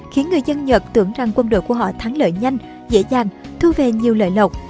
khiến người dân nhật tưởng rằng quân đội của họ thắng lợi nhanh dễ dàng thu về nhiều lợi lộc